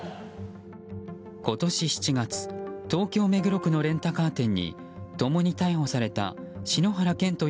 今年７月東京・目黒区のレンタカー店に共に逮捕された暴力団組員篠原健斗